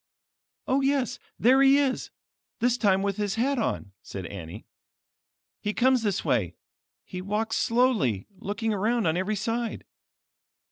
"Oh yes, there he is; this time with his hat on," said Annie. "He comes this way; he walks slowly, looking around on every side.